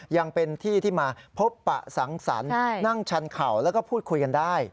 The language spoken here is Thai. ยังเป็นที่ที่มาพบปะสังสรรค์นั่งชันเข่าแล้วก็พูดคุยกันได้